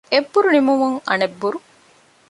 އެއްބުރު ނިމުމުން އަނެއް ބުރު